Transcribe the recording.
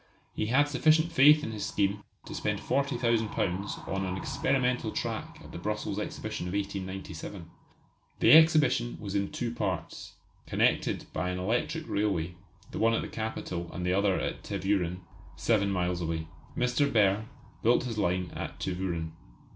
He had sufficient faith in his scheme to spend £40,000 on an experimental track at the Brussels Exhibition of 1897. The exhibition was in two parts, connected by an electric railway, the one at the capital, the other at Tervueren, seven miles away. Mr. Behr built his line at Tervueren.